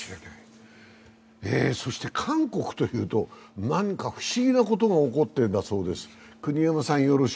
韓国というと、何か不思議なことが起こっているんだそうです。